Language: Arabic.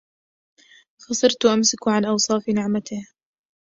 فصرت أمسك عن أوصاف نعمته